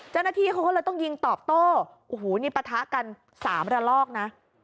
เจ้าหน้าที่เขาก็เลยต้องยิงตอบโต้โอ้โหนี่ปะทะกันสามระลอกนะ